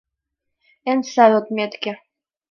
Эн сай отметке